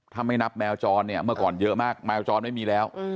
ถ้าไม่นับแมวจรเนี่ยเมื่อก่อนเยอะมากแมวจรไม่มีแล้ว